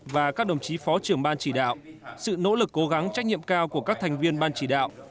và các đồng chí phó trưởng ban chỉ đạo sự nỗ lực cố gắng trách nhiệm cao của các thành viên ban chỉ đạo